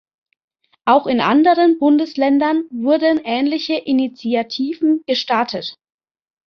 Auch in anderen Bundesländern wurden ähnliche Initiativen gestartet.